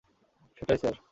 সেটাই, স্যার।